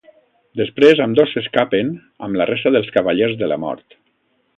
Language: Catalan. Després ambdós s'escapen amb la resta dels cavallers de la mort.